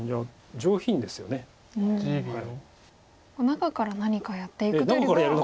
中から何かやっていくというより。